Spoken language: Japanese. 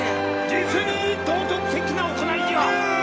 実に道徳的な行いじゃ・イエーイ！